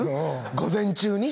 午前中に？